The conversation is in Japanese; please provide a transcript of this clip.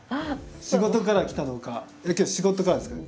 仕事からきたのか仕事からですかね？